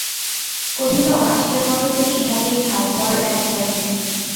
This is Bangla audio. কহিল, আজকের মতো তুমি ইহাতেই খাও, পরে দেখা যাইবে।